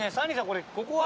これここは。